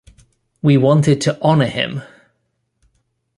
We wanted to honor him!